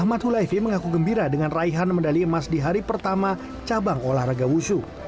ahmad hulaifi mengaku gembira dengan raihan medali emas di hari pertama cabang olahraga wusu